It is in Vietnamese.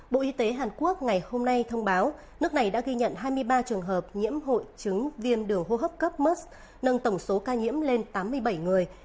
bộ y tế hàn quốc ngày hôm nay thông báo nước này đã ghi nhận hai mươi ba trường hợp nhiễm hội chứng viêm đường hô hấp cấp musk nâng tổng số ca nhiễm lên tám mươi bảy người